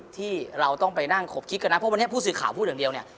ที่เราต้องไปนั่งขบคิดกันนะเพราะวันนี้ผู้สื่อข่าวพูดอย่างเดียวเนี่ย